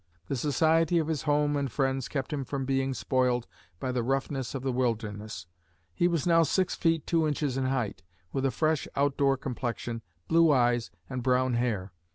The society of his home and friends kept him from being spoiled by the roughness of the wilderness. He was now six feet, two inches in height, with a fresh, out door complexion, blue eyes and brown hair.